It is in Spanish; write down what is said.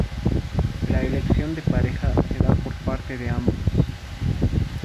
La elección de pareja se da por parte de ambos.